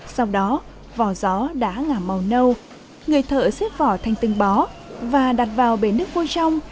sau đó vò gió đã ngả màu nâu người thợ xếp vỏ thành từng bó và đặt vào bể nước vô trong